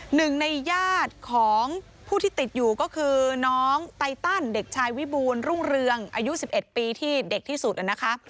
หนึ่งในญาติของผู้ที่ติดอยู่ก็คือน้องไตตันเด็กชายวิบูรณรุ่งเรืองอายุ๑๑ปีที่เด็กที่สุดนะคะ